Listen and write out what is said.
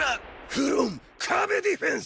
フロム壁ディフェンス！